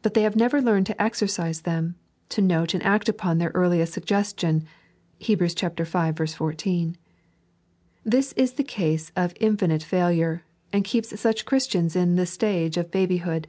But they have never learned to ezendfie them, to note and act upon their earliest suggestion (Heb. V. 14). This is the cause of infinite failure, and keepa such Christians in the stage of babyhood.